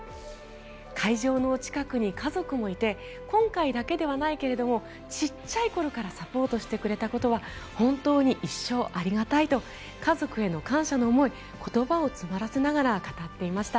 会場の近くに家族もいて今回だけではないけれどもちっちゃい頃からサポートしてくれたことは本当に一生ありがたいと家族への感謝の思いを言葉を詰まらせながら語っていました。